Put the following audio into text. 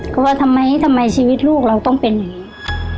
ก็ว่าทำไมทำไมชีวิตลูกเราต้องเป็นอย่างนี้